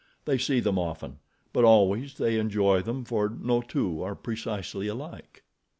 They see them often; but always they enjoy them for no two are precisely alike.